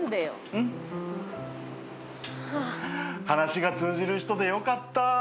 話が通じる人でよかった。